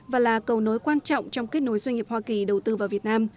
và là cầu nối quan trọng trong kết nối doanh nghiệp hoa kỳ đầu tư vào việt nam